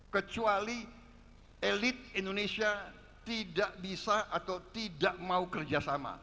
kecuali elit indonesia tidak bisa atau tidak mau kerjasama